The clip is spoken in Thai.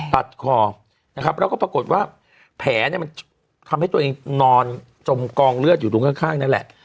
แล้วก็ปรากฏว่าแผลมันทำให้ตัวเองนอนจมกองเลือดอยู่ตรงข้างนั่นแหละ